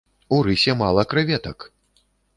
У рысе мала крэветак!